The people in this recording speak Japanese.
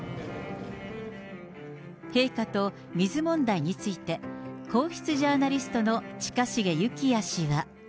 陛下と水問題について、皇室ジャーナリストの近重幸哉氏は。